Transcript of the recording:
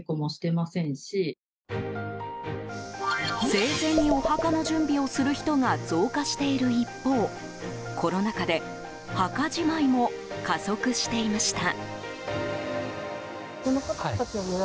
生前にお墓の準備をする人が増加している一方コロナ禍で墓じまいも加速していました。